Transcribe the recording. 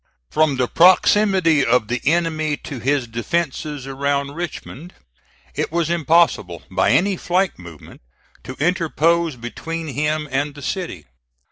From the proximity of the enemy to his defences around Richmond, it was impossible, by any flank movement, to interpose between him and the city.